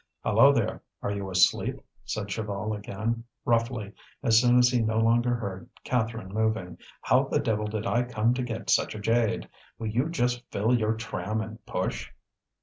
"Hallo, there! are you asleep?" said Chaval again, roughly, as soon as he no longer heard Catherine moving. "How the devil did I come to get such a jade? Will you just fill your tram and push?"